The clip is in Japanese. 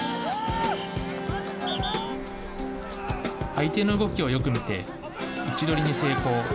相手の動きをよく見て、位置取りに成功。